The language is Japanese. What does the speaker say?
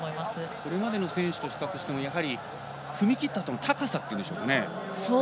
これまでの選手と比較しても踏み切ったときの高さっていうんでしょうか。